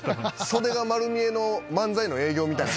袖が丸見えの漫才の営業みたいな感じ。